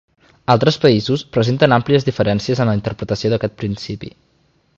Altres països presenten àmplies diferències en la interpretació d'aquest principi.